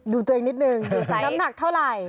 ดูตัวเองนิดนึงน้ำหนักเท่าไหร่